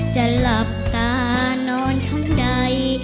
จะหลับตานอนข้างใด